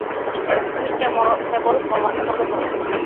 তুমি কেবল command follow করো।